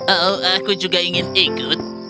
oh aku juga ingin ikut